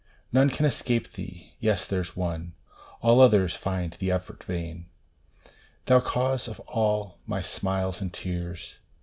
None can escape thee yes there s one All others find the effort vain : Thou cause of all my smiles and tears